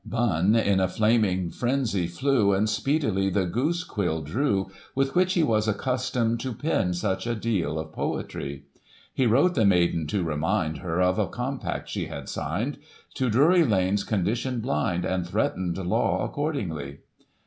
BuNN in a flaming frenzy flew, And speedily the goose quill drew. With which he was accustomed to Pen such a deal of poetry. He wrote the maiden to remind Her of a compact she had signed. To Drury Lane's condition blind, And threatened law accordingly.